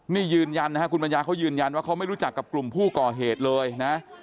นี่ยืนยันนะฮะคุณปัญญาเขายืนยันว่าเขาไม่รู้จักกับกลุ่มผู้ก่อเหตุเลยนะ